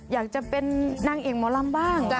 อยากจะเป็นนางเอกหมอลำบ้าง